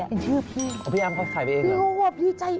เป็นชื่อพี่พี่อ้ำเขาใส่ไปเองเหรอพี่ใจ